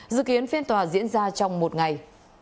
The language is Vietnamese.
dự kiến phiên tòa diễn ra trong một ngày